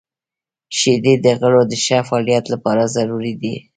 • شیدې د غړو د ښه فعالیت لپاره ضروري دي.